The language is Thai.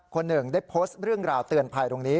คนหนึ่งได้โพสต์เรื่องราวเตือนภัยตรงนี้